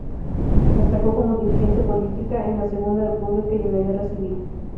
Destacó como dirigente política en la Segunda República y en la guerra civil.